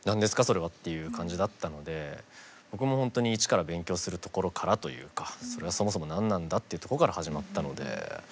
それはっていう感じだったので僕もほんとに一から勉強するところからというかそもそも何なんだというところから始まったのでなかなか大変でした。